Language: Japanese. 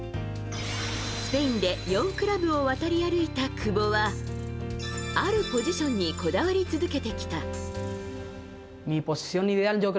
スペインで４クラブを渡り歩いた久保はあるポジションにこだわり続けてきた。